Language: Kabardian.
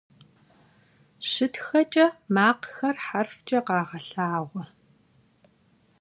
Şıtxeç'e makhxer herfç'e khağelhağue.